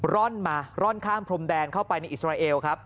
ร่อนมาร่อนข้ามพรมแดนเข้าไปในอิสราเอลครับ